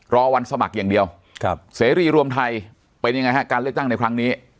รอวันสมัครอย่างเดียวเสรีรวมไทยเป็นยังไงฮะการเลือกตั้งในครั้งนี้